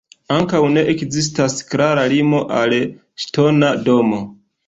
Ankaŭ ne ekzistas klara limo al ŝtona domo.